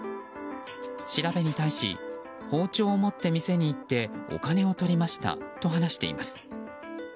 調べに対し包丁を持って店に行ってお金を取りましたと話しています。